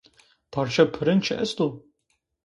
Parçe pırıng çı esto?